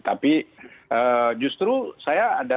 tapi justru saya ada